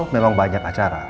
memang banyak acara